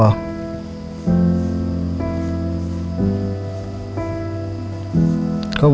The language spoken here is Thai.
เพื่อครอบครัว